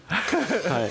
はい